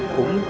cũng kết thúc